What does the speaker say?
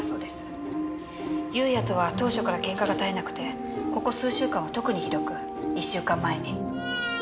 裕也とは当初から喧嘩が絶えなくてここ数週間は特にひどく１週間前に。